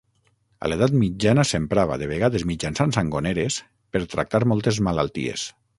A l'edat mitjana s'emprava, de vegades mitjançant sangoneres, per tractar moltes malalties.